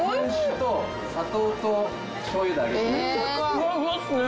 ふわふわっすね。